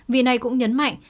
vì này cũng nhấn mạnh